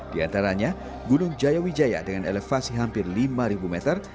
di antaranya gunung jayawijaya dengan elevasi hampir lima meter